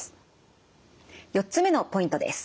４つ目のポイントです。